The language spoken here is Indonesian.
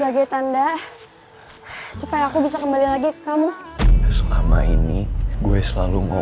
jadi devo aku boleh bangun juga ker conduksinya